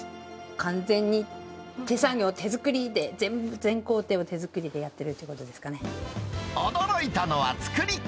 完全に手作業、手作りで全部、全工程を手作りでやってるってい驚いたのは作り方。